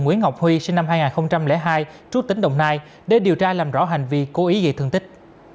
nguyễn ngọc huy sinh năm hai nghìn hai trú tỉnh đồng nai để điều tra làm rõ hành vi cố ý gây thương tích